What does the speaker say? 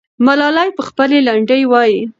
ملالۍ به خپلې لنډۍ وایي.